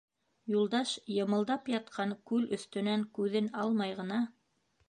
Юлдаш, йымылдап ятҡан күл өҫтөнән күҙен алмай ғына: